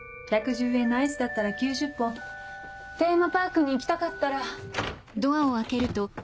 １１０円のアイスだったら９０本テーマパークに行きたかったら。